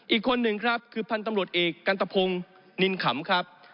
อีกคนหนึ่งครับคือพันธุ์ตำรวจเอกกันตะพงศ์นินขำครับ